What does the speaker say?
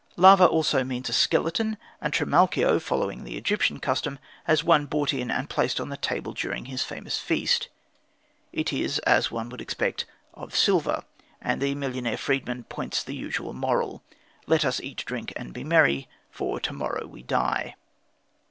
Larva also means a skeleton, and Trimalchio, following the Egyptian custom, has one brought in and placed on the table during his famous feast. It is, as one would expect, of silver, and the millionaire freedman points the usual moral "Let us eat, drink, and be merry, for to morrow we die."